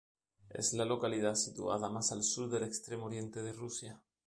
Es la localidad situada más al sur del Extremo Oriente de Rusia.